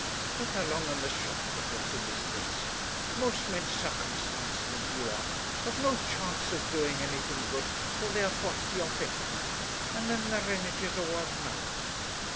But the long and the short of the thing is this; most men circumstanced as you are have no chance of doing anything good till they are forty or fifty, and then their energies are worn out.